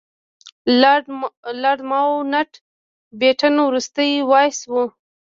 لارډ ماونټ بیټن وروستی وایسराय و.